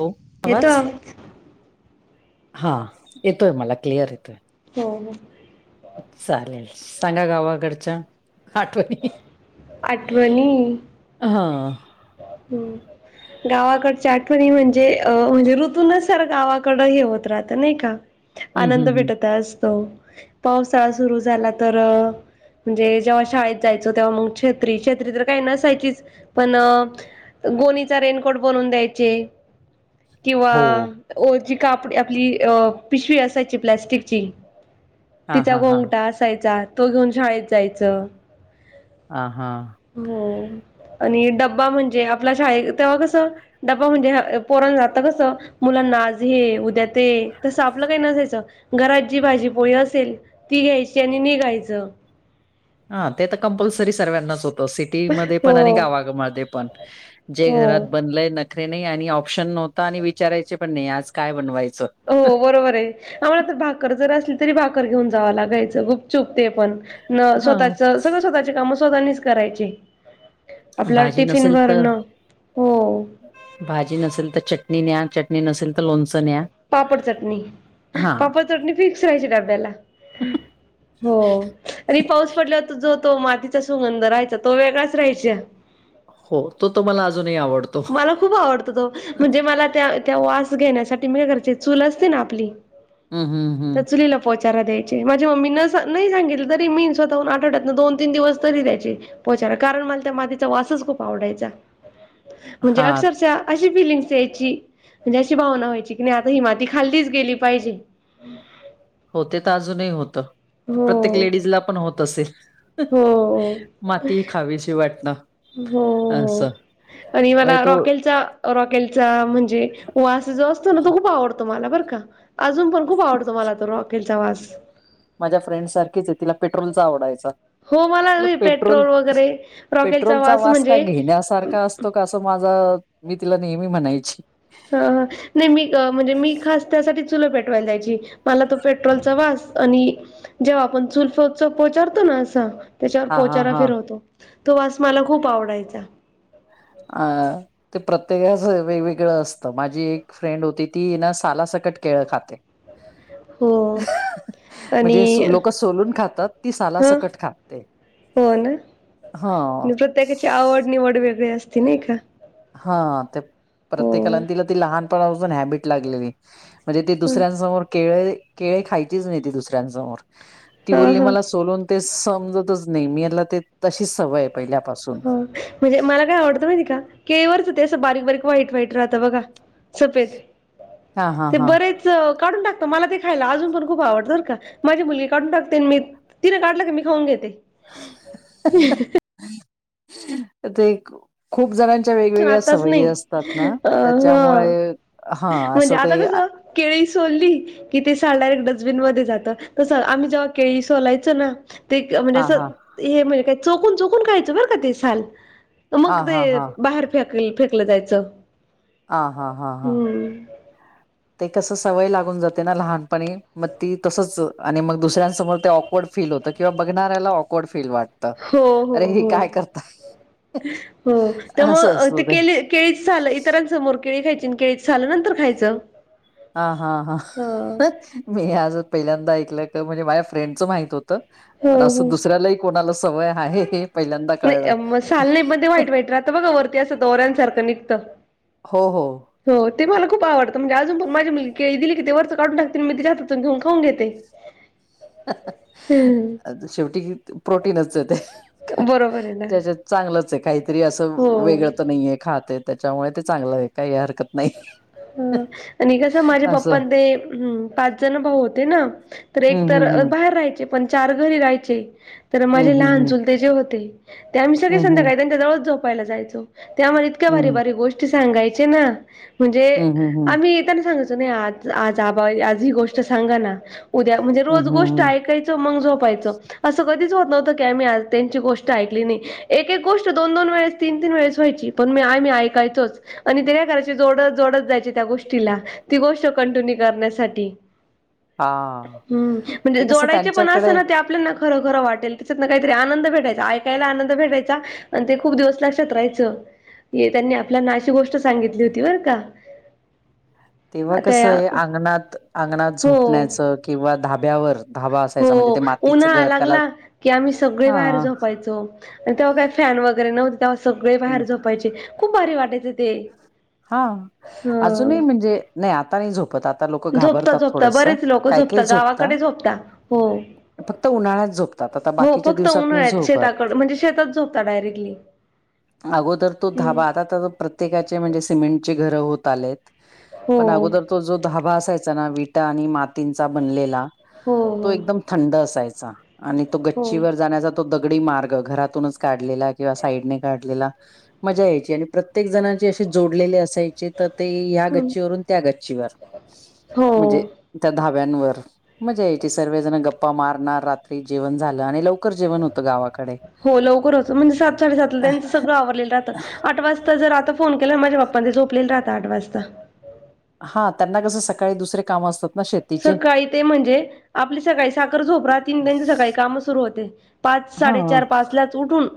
हो येतोय का आवाज? हा येतोय मला क्लिअर येतोय. हो. चालेल सांगा गावाकडच्या आठवणी आठवणी हा- हम्म. गावाकडच्या आठवणी म्हणजे अ म्हणजे ऋतूनच सर गावाकड हे होत राहत नाही का. हम्म हम्म आनंद हम्म भेटत असतो पावसाळा सुरू झाला तर म्हणजे जेव्हा शाळेत जायचो तेव्हा मग छेत्री छेत्री तर काही नसायचीच. पण गोणीचा रेनकोट बनवून द्यायचे किंवा हो ओ जी का आपली पिशवी असायची प्लॅस्टिकची हा तिचा हा हा गोंगटा असायचा तो घेऊन शाळेत जायच. ह हा. होय आणि डब्बा म्हणजे आपल्या शाळ तेव्हा कसं डबा म्हणजे पोरण जातं कसं मुलांना आज हे उद्या ते तसं आपलं काही नसायचं. घरात जी भाजी पोहे असेल ती घ्यायची आणि निघायचं. हा ते तर कंपल्सरी सर्वांनाच होतं सिटीमध्ये हो पण आणि गावामध्ये पण जे हो घरात बनलंय नखरे नाही आणि ऑप्शन नव्हता आणि विचारायचे पण नाही आज काय बनवायचं. हो बरोबर आहे आम्हाला तर भाकर जर असली तरी भाकर घेऊन जावं लागायचं खूप चुपते पण न हा स्वतःच सगळं स्वतःचे काम स्वतःनीच करायचे. आपल्या भाजी नसेल टिफिनवरर तर ना हो भाजी नसेल तर चटणी न्या चटणी नसेल तर लोणचं न्या पापड चटणी हा. पापड फिक्स राहायची डब्याला. हो, आणि पाऊस पडल्यावर तर जो-तो मातीचा सुगंध राहायचा तो वेगळाच राहायच. हो, तो तो मला अजूनही आवडतो. मला खूप आवडतो तो, म्हणजे मला त्या त्या वास घेण्यासाठी मी काय करायच चूल असते ना आपली, हम्म हम्म त्या हम्म चुलीला वचारा द्यायचे, माझी मम्मीन नाही सांगितलं तरी मी स्वतःहून आठवड्यातन दोन- तीन दिवस तरी द्यायचे. पोचारा, कारण मला त्या मातीचा वासच खूप आवडायचा, म्हणजे हा अक्षरशः अशी फिलिंग्स यायची, म्हणजे अशी भावना व्हायची कणी आता हि माती खाल्लीच गेली पाहिजे. होते तर अजूनही होत, प्रत्येक हो लेडीजला पण होत असेल. हो. माती खावी शि वाटन. हो, हो, हो आणि म्हणजे मला तो रॉकेलचा रॉकेलचा म्हणजे, वास जो असतो ना तो खूप आवडतो मला बरं का. अजून पण खूप आवडतो मला तो रॉकेलचा वास. माझ्या फ्रेंडसारखीच, तिला पेट्रोलचा आवडायचा. हो मला आपलं पेट्रोल, वगैरे रॉकेलचा पेट्रोलचा वास काय म्हणजे घेण्यासारखा असतो का असं माग, मी तिला नेहमी म्हणायची. ह, ह नाही मी, म्हणजे मी खास त्यासाठी चुलं पेटवायला जायची. मला तो पेट्रोलचा वास आणि जेव्हा आपण चुल पोच, पोचरतो ना अस त्याच्यावर हा हा पोचारा हा फिरवतो, तो वास मला खूप आवडायचा. आ. ते प्रत्येकाच वेगवेगळं असतं, माझी एक फ्रेंड होती ती ना सालासकट केळं खाते. [unintelligible] हो. म्हणजे सो, आणि लोक सोलून खातात, ती ह सालासकट खाते. हो ना, प्रत्येकाची हा. आवड, निवड वेगळी असते. नाही का हा, ते हो प्रत्येकाला आणि तिला ती लहानपणापासून हॅबिट लागलेली. म्हणजे ती ह दुसऱ्यांनसमोर केळे, केळे खायचीच नाही ती दुसऱ्यांनसमोर. ती हा बोलली हा हा मला सोलून ते समजतच नाही, मेला ते तशीच सवय आहे पहिल्यापासून. हो, म्हणजे मला काय आवडतं माहिती का, केळीवरच ते असं बारीक-बारीक, व्हाईट -व्हाईट राहतं बघा. सफेद, हा हा ते हा. बरेच चं, काढून टाकतो मला ते खायला अजून पण खूप आवडत बरं का, माझी मुलगी काढून टाकते मी तिनं काढलं का मी खाऊन घेते. ते एक खूप जणांच्या वेग-वेगळ्या आताच सवयी नाही असतात ना, अ ह त्याच्यामुळे, हा असं म्हणजे आता ते कसं केळी सोली कि ते साल डायरेक्ट डस्बिन मध्ये जातं, तसं आम्ही जेव्हा केळी सोलायचो ना ते, क म्हणजे हा असं, हा हे म्हणजे काय चोकून- चोकून खायचं बर का ते साल, हा मग हा ते हा बाहेर फेकली, फेकलं जायचं. आ, हा, हा, हा. हम्म ते कस सवय लागून जाते ना लहानपणी, मग ती तसच आणि मग दुसऱ्यांसमोर ते ऑकवर्ड फील होत, किंवा बघणाऱ्याला ऑकवर्ड फील वाट हो, हो, हो, हो त्यामूळ असं अ, असतं ते केले केळीच सालं, इतरांसमोर केळी खायची आणि केळीच सालं नंतर खायचं. हा, हा, हा मी आज पहिल्यांदा ऐकलं क म्हणजे माझ्या फ्रेंडचं माहित हो त, हो पण अस हो दुसऱ्यालाही कोणाला सवय आहे, हे पहिल्यांदा नाही कळलं. मग साल नाही पण व्हाईट व्हाईट ते राहतं बघा वरती असं दोऱ्यांनसारखं निघतं. हो हो. हो ते मला खूप आवडत, म्हणजे अजून पण माझी मुलगी केळी दिली की, ते वरच काढून टाकते आणि मी तिच्या हातातून घेऊन खाऊन घेते. हम्म आता शेवटी प्रोटीनच आहे ते. बरोबर आहे ना त्याच्यात चांगलच आहे. काहीतरी असं हो. वेगळं तर नाहीये खात आहेत. त्याच्यामुळे ते चांगलं आहे. काहि हरकत नाही. हं आणि कस माझ्या असं पप्पा ते हं पाच जण भाऊ होते ना. तर एक हम्म तर हम्म बाहेर राहायचे, पण चार घरी राहायचे. तर माझे लहान हम्म. चुलते जे होते त्या आम्ही सगळे हम्म हम्म संध्याकाळी त्यांच्या जवळच झोपायला जायचो. ते आम्हाला इतक्या भारी हम्म भारी गोष्ट गोष्टी सांगायच्या ना. म्हणजे हम्म हम्म हम्म हम्म हम्म आम्ही त्यांना सांगायचो नाही आज- आज आबा आज ही गोष्ट सांगा ना. उद्या म्हणजे रोज हम्म हम्म गोष्ट हम्म ऐकाय चं मंग झोपायचं, असं कधीच होत नव्हत कि आम्ही आज त्यांची गोष्ट ऐकली नाही. एक- एक गोष्ट दोन -दोन वेळेस तीन -तीन वेळेस व्हायची, पण मी आम्ही ऐकायचोच आणि ते कराय चे जोड- जोडत जायचे त्या गोष्टीला ती गोष्ट कंटिन्यू करण्यासाठी. हा हम्म, म्हणजे ते कसं जोडायचे पण असत त्यांच्याकडे ना त्यात आपल्याला खरं खरं वाटेल, त्याच्यातन काहीतरी आनंद भेटायचा. ऐकायला आनंद भेटायचा. आणि ते खूप दिवस लक्षात राहायचं, कि त्यांनी आपल्यांना अशी गोष्ट सांगितली होती. व का [unintelligible] तेव्हा आता या कसय अंगणात- अंगणात हो झोपण्याचं किंवा धाब्यावर धाबा हो असायचा म्हणजे ते मातीचं उन्हाळा घर त्याला लागला की आम्ही सगळे हा बाहेर झोपायचो. आणि तेव्हा काय फॅन वगैरे नव्हते, तेव्हा सगळे बाहेर झोपायचे. खूप भारी वाटायचें ते हा, ह अजूनही म्हणजे नाही आता नाही झोप आता लोक झोपता घाबरतात झोपता थोडस, बरेच लोक काय काय झोपता झोपत गावाकडे झोपता हो. फक्त उन्हाळ्यात झोपतात आता हो बाकीच्या फक्त दिवसात नाही उन्हाळ्यात शेताकड झोपत. म्हणजे शेतात झोपता डायरेक्टली. अगोदर तो हम्म धाबा आता तर प्र प्रत्येकाचे म्हणजे सिमेंटचे घरं होत आलेत, हो पण अगोदर तो जो धाबा असायचा ना विटा आणि मातींचा बनलेला हो तो हो एकदम थंड असायचा. आणि तो हो गच्चीवर जाण्याचा तो दगडी मार्ग घरातूनच काढलेला किंवा साईडने काढलेला मजा यायची आणि प्रत्येक जणची असे जोडलेले असायचे तर ते ह्या हम्म. गच्चीवरून त्या गच्चीवर, हो म्हणजे त्या धाब्यांवर मजा याची सर्वजण गप्पा मारणार रात्री जेवण झालं आणि लवकर जेवण होतं गावाकडे. हो लवकर उठू म्हणजे सात साडेसातला त्यांचं सगळं आवरलेलं राहतं आठ वाजता जर आता फोन केला माझ्या पप्पा ते झोपलेले राहता आठ वाजता. हा त्यांना कसं सकाळी दुसरे काम असतात ना शेत सकाळी ते म्हणजे आपली सकाळी साखर झोप राहती त्यांचे सकाळी काम सुरू होते. पाच हा साडेचार पाच ला उठून,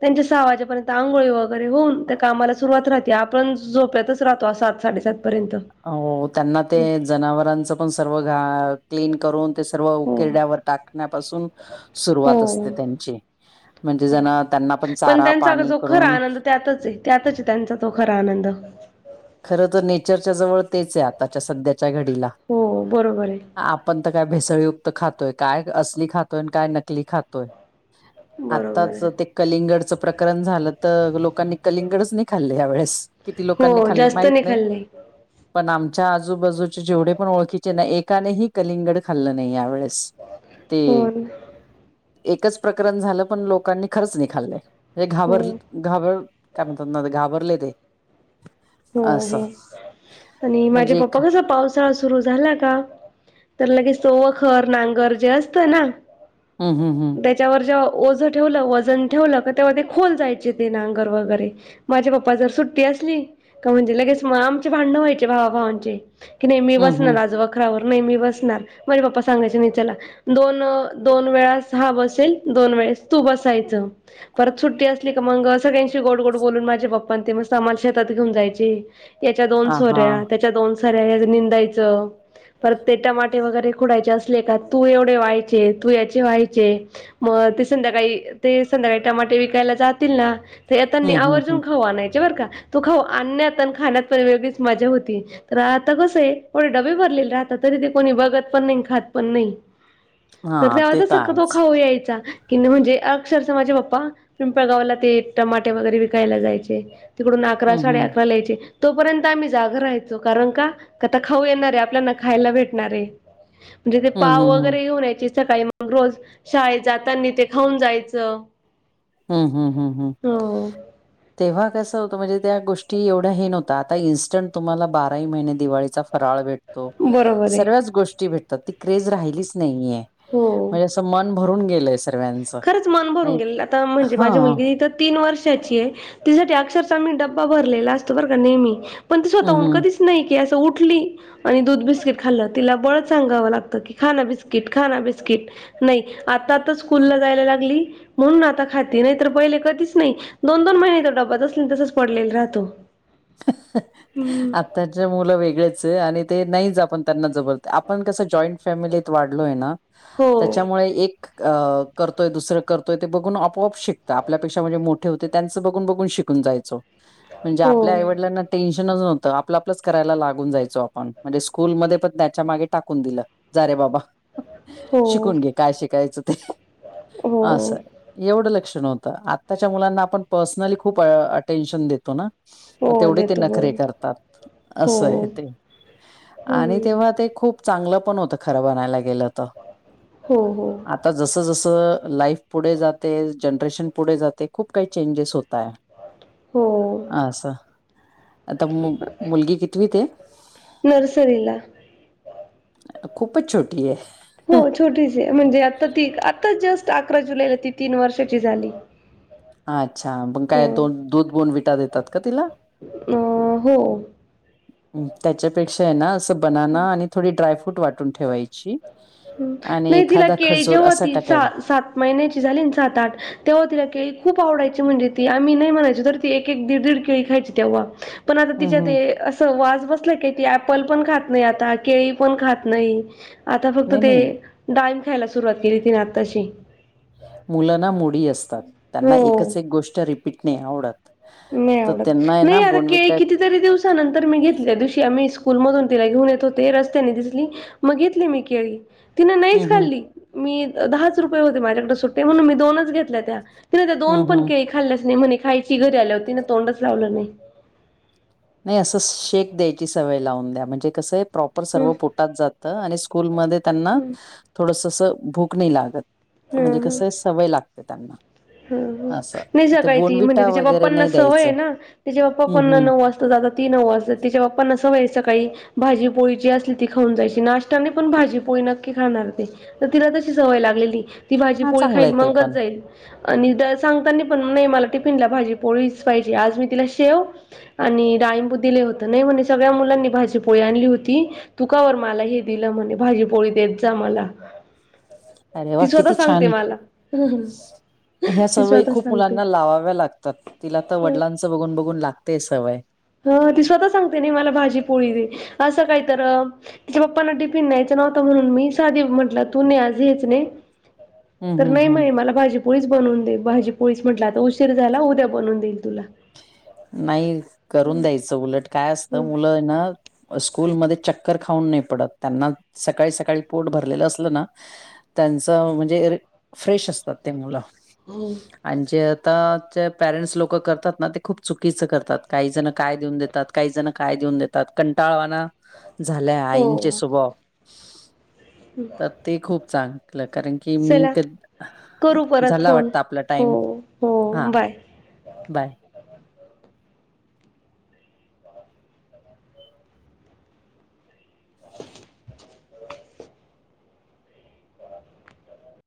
त्यांच्या सहा वाजेपर्यंत अंघोळी वगैरे होऊन त्या कामाला सुरुवात राहती आपण झोपेतच राहतो आ सात साडेसातपर्यंत. हो त्यांना ते जनावरांच पण सर्व घा क्लीन करून ते सर्व हो. उकिरड्यावर टाकण्यापासून हो सुरवात असते त्यांची. म्हणजे हो. जण त्यांना पण चारा पाणी करून त्यातचय त्यातच त्यांचा तो खरा आनंद. खर तर नेचरच्या जवळ तेच आहे आताच्या सध्याच्या घडीला. हो बरोबर आहे आपण तर काय भेसळीयुक्त खातोय, काय असली खातोय आणि काय नकली खातोय. बरोबर आत्ताच आहे ते कलिंगडचं प्रकरण झालं, तर लोकांनी कलिंगडच नाही खाल्लं यावेेळेस, किती लोकांनी हो खाल्ले जास्त माहीत नाही. खाल्ले. पण आमच्या आजूबाजूचे जेवढे पण ओळखीचे ना एकानेही कलिंगड खाल्लं नाही यावेेळेस. हो ते ना एकच प्रकरण झालं पण लोकांनी खरंच नाही खाल्लं. हे हो. घाबर घाबर काय म्हणतात घाबरले तेे. हो हे आणि माझे म्हणजे पप्पा कसं पाऊस चा सुरू झाला का तर लगेच सो वखर, नांगर जे असतं ना. हम्म हम्म हम्म. त्याच्यावर जेव्हा ओझं ठेवलं, वजन ठेवलं का तेव्हा ते खोल जायचे ते नांगर वगैरे. माझ्या पप्पा जर सुट्टी असली? का म्हणजे लगेच मग आमचे भांडणं व्हायचे भावाभावांचे की नाही मी हम्म बसणार हम्म आज बा वखारावर नाहीे मी बसणार, माझे पप्पा सांगायचे नाई चला दोन दोन वेळास हा बसेल, दोन वेळेस तू बसायचं. परत सुट्टी असली का मग सगळ्यांशी गोड गोड बोलून माझे पप्पां ते मस्त शे तात घेऊन जायचे, याच्या दोन हा हा सोऱ्या त्याच्या दोन सऱ्या यात हिंडायचं. परत ते टमाटे वगैरे खुडायचे असले का तू एवढे व्हायचे तू याचे व्हायचे. मग ते संध्याकाळी ते संध्याकाळी टमाटे विकायला जातील ना. ते येता नी हम्म हम्म हम्म आवर्जून खाऊ आणायचे बरं का, तो खाऊ आणण्यात आणि खाण्यात पण वेगळीच मज्जा होती. तर आता कसं आहे एवढे डबे भरलेले राहता, तरी ते कोणी बघत पण नाही खात पण नाही. तर हा ते त्यातच शक्य तो आहेच खाऊ यायचा कि म्हणजे अक्षरशः माझे पप्पा पिंपळगावला ते टमाटे वगैरे विकायला जायचे, तिकडून अकरा हम्म साडे हम्म अकराला यायचे. तोपर्यंत आम्ही जागं राहायचो, कारण का आता खाऊ येणारे आपल्याना खायला भेटणारे. म्हणजे ते हम्म पाव हम्म वगैरे येऊन रहायचे सकाळी मग रोज शाळेत जातानी ते खाऊन जायचं. हम्म हम्म हम्म हम्म. हो तेव्हा कसं होतं म्हणजे त्या गोष्टी एवढा हे नव्हता, आता इन्स्टंट तुम्हाला बाराही महिने दिवाळीचा फराळ भेट तो बरोबर आहे सर्वच गोष्टी भेटतात ती क्रेज राहिलीच नाहीेय हो. म्हणजे असं मन भरून गेले स खरंच मन भरून गेले आता म्हणजे हा माझी मुलगी तर तीन वर्षाची आहे तिच्यासाठी अक्षरशः मी डबा भरलेला असतो बर का नेहमी पण ती हम्म स्वतःहून हम्म. कधीच नाही की असं उठली आणि दूध बिस्किट खाल्लं, तिला बळच सांगावं लागतं की खाना बिस्किट खाना बिस्किट. नाही आता आता स्कूलला जायला लागली म्हणून आता खाती नाहीतर पहिले कधीच नाही. दोन दोन महिने त्या डब्बात असल तसंच पडलेला राहतो. हम्म आ त्ताचे मुलं वेगळेच आहे आणि ते नाहीच आपण त्यांना जबर, आपण कसं जॉईंट फॅमिलीत वाढलोय ना हो. त्याच्यामुळे एक अ करतोय दुसरं करतोय ते बघून आपोआप शिकतं, आपल्यापेक्षा म्हणजे मोठे होते त्यांचं बघून बघून शि कून जायचो म्हणजे आ हो पल्याला टेन्शनच नव्हतं आप आपलंच करायला लागून जायचो, आपण म्हणजे स्कूलमध्ये पण त्याच्या मागे टाकून दिलं. जा रे बाबा हो शिकून घे, काय शिकायचं ते. हो असंय. एवढं लक्ष नव्हतं, आत्ताच्या मुलांना आपण पर्सनली खूप अटेन्शन देतो ना. मग हो तेवढे ते देतो नखरे बरोबर करतात, हो असं आहे ते. आणि हम्म तेव्हा ते खूप चांगलं पण होतं खरं म्हणायला गेलं तर. हो हो. आता जसं-जसं लाईफ पुढे जाते, जनरेशन पुढे जाते, खूप काही चेंजेस होत आहे. हो असा आता मु मुलगी कितवी ते नर्सरीला. खूपच छोटी आहे. हो, छोटीच म्हणजे आता ती आत्ता जस्ट अकरा जुलैला ती तीन वर्षाची झाली. अच्छा, मग ह काय दोन दूध दोन विटा देतात का तिला अ हो. त्याच्यापेक्षा आहे ना, असं बनाना आणि थोडी ड्रायफ्रूट वाटून ठेवायची. आणि नाही, तिला एखादा केळी खजूर जेव्हा असा ती टाकायला सात महिन्याची झाली, सात-आठ तेव्हा तिला केळी खूप आवडायची, म्हणजे ती आम्ही नाही म्हणायचो तर ती एक-एक, दीड-दीड केळी खायची तेव्हा पण आता हं तिच्या हं ते वास बसला की ऐपल पण खात नाही, आता केळी पण खात नाही. आता फक्त नाही ते नाही डाईम खायला सुरुवात केली ती ना, आताशी मुलांना मोडी असतात, त्यांना हो एकच एक गोष्ट रिपीट नाही आवडत. नाही, तर आवडत त्यांना आहे नाही. ना आता केळी बोनविटा कितीतरी दिवसानंतर मी घेतल्या दिवशी आम्ही स्कूलमधून तिला घेऊन येत होते, रस्त्याने दिसली, मग घेतली मी केळी. तिनं हं नाहीच हं खाल्ली. मी दहाच रुपये होते माझ्याकडे सुट्टे, म्हणून मी दोनच घेतल्या. त्या ती नाही, त्या दोन हं पण हं केळी खाल्लंच नाही म्हणे. खायची घरी आल्या होती ना, तोंडच लावलं नाही. नाही, असं शेक द्यायची सवय लावून द्या, म्हणजे कसं आहे, प्रॉपर हम्म सर्व प जात आणि स्कूलमध्ये त्यांना हम्म थोडंसं भूक नाही लागत. हम्म म्हणजे हम्म. कसं सवय लागते त्यांना हं, असं. नाही. ते सकाळी ती म्हणजे बोनविटा त्याच्या वगैरे बाप्पांना नाही सवय आहे द्यायचं ना, त्याच्या हं बापांना हं नऊ वात ती नऊ वाजता तिच्या बाप्पांना सवयचं सकाळी भाजी पोळी जी असली ती खाऊन जायची, नाष्ट्यात पण भाजी पोळी नक्की खाणार ते तर तिला तशी सवय लागलेली, ती भाजी हा पोळी चांगलं खाईल, आहे ते मंगच पण जाईल. आणि सांगताना पण नाही, मला टिफिनला भाजी पोळीच पाहिजे. आज मी तिला शेव आणि डाळींमबुद्धी दिले होतं, नाही म्हणे. सगळ्या मुलांनी भाजी पोळी आणली होती. तु कावर मला हे दिलं म्हणे भाजीपोळी देत जा मला अरे वा ती स्वतः किती सांगते छान मला. ह्या ती सवयी स्वतः खूप सांगते मुलांना लावाव्या लागतात, तिला तर वडिलांचं बघून-बघून लागतेय सवय. हं, ती स्वतः सांगते नाही, मला भाजी पोळी दे असं काय तर तिच्या पप्पांना टिफिन न्यायचं नव्हतं, म्हणून मी साधी म्हटला, तू नाही आज हेच नाही. हं, तर हं, नाही म, हं. मला भाजीपोळीच बनवून दे, भाजीपोळीच म्हटलं. आता उ झाला उद्या बनवून देईल तुला. नाही, करून द्यायचं उलट काय असतं? हं. मुलं ना स्कूलमध्ये चक् खाऊन नाही पडत त्यांना, सकाळी सकाळी पोट भरलेलं असलं ना त्यांचं म्हणजे, फ्रेश असतात ते मुलं. होय. आणि जे आता पॅरेंट्स लोक करतात. ना, ते खूप चुकीचं करतात. काही जण काय देऊन देतात, काही जण काय देऊन देतात, कंटाळवाना झालंय हो. आईंचे स्वभाव तर ते खूप चांगलं कारण की, मी चला करू परत झाला फोन. वाटतं आपला हो, टाइम हा. हो. बाय. बाय.